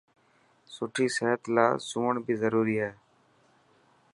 سٺي صحت لاءِ سوڻ بي ضروري هي.